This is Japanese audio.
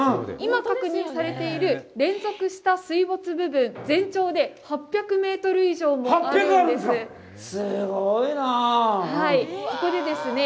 今確認されている連続した水没部分、全長で８００メートル以上もあるんです。